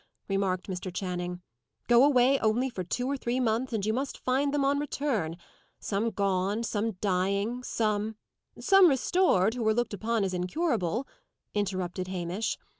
remarked Mr. Channing. "Go away only for two or three months, and you must find them on return. Some gone; some dying; some " "Some restored, who were looked upon as incurable," interrupted Hamish.